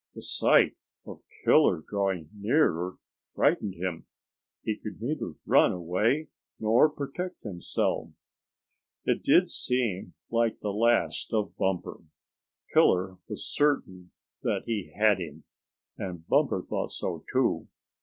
The sight of Killer drawing nearer frightened him. He could neither run away nor protect himself. It did seem like the last of Bumper. Killer was certain that he had him, and Bumper thought so too.